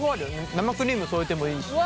生クリーム添えてもいいしね。